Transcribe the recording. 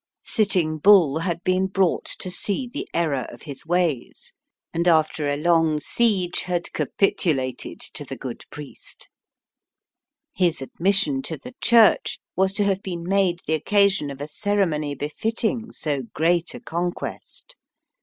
Sitting Bull had been brought to see the error of his ways, and after a long siege had capitulated to the good priest. His admission to the Church Digitized by VjOOQIC 46 EAST BY WEST. was to have been made the occasion of a ceremony befitting so great a conquest.